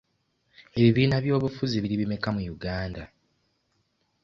Ebibiina by'obufuzi biri bimeka mu Uganda?